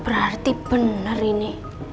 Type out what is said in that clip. berarti benar ini